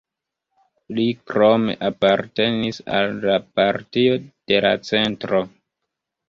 Li krome apartenis al la Partio de la Centro.